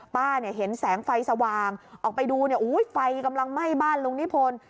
ป้าเห็นแสงไฟสว่างออกไปดูไฟกำลังไหม้บ้านลุงนิพนธ์